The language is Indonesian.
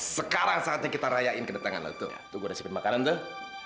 sekarang saatnya kita rayain kedatangan lo tuh gue resipin makanan tuh